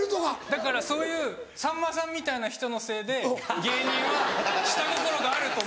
だからそういうさんまさんみたいな人のせいで芸人は下心があると。